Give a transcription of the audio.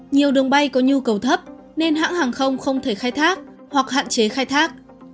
nhiều đường bay có nhu cầu thấp nên hãng hàng không không thể khai thác hoặc hạn chế khai thác